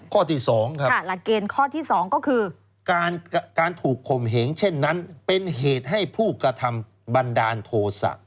ข้อที่สองครับข้อที่สองก็คือการถูกคมเหงเช่นนั้นเป็นเหตุให้ผู้กระทำบันดาลโทษะ